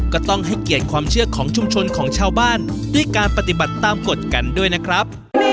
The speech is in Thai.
ก็ต้องให้เกียรติความเชื่อของชุมชนของชาวบ้านด้วยการปฏิบัติตามกฎกันด้วยนะครับ